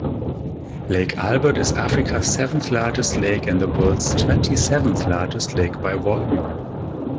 Lake Albert is Africa's seventh-largest lake, and the world's twenty-seventh largest lake by volume.